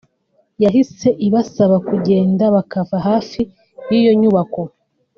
yahise ibasaba kugenda bakava hafi y’iyo nyubako